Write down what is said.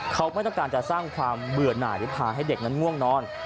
เขาไม่ต้องการจะสร้างความเบื่อหน่ายหรือพาให้เด็กนั้นง่วงนอน